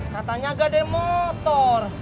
katanya nggak ada motor